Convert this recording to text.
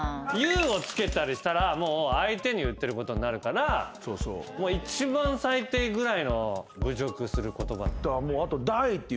「ｙｏｕ」をつけたりしたら相手に言ってることになるから一番最低ぐらいの侮辱する言葉。